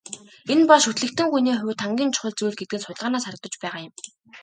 Энэ бол шүтлэгтэн хүний хувьд хамгийн чухал зүйл гэдэг нь судалгаанаас харагдаж байгаа юм.